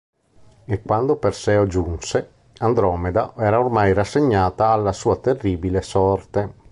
E quando Perseo giunse, Andromeda era ormai rassegnata alla sua terribile sorte.